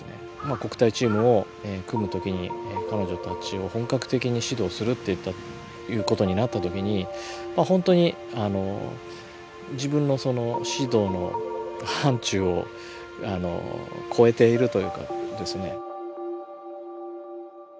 国体チームを組むときに彼女たちを本格的に指導するということになったときにほんとに自分の指導の範疇を超えているというかですね。